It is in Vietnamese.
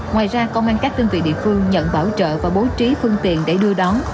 ngoài ra công an các đơn vị địa phương nhận bảo trợ và bố trí phương tiện để đưa đón